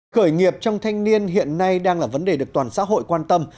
khởi nghiệp trong thanh niên hiện nay đang là vấn đề được toàn xã hội quan tâm